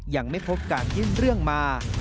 ยังไม่พบการยื่นเรื่องมา